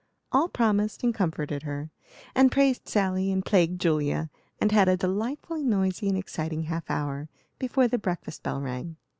All promised and comforted her, and praised Sally, and plagued Julia, and had a delightfully noisy and exciting half hour before the breakfast bell rang.